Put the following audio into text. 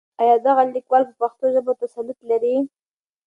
آيا دغه ليکوال په پښتو ژبه تسلط لري؟